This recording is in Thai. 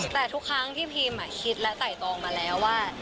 แต่ทุกครั้งที่พิมคิดและไต่ตองมาแล้วว่า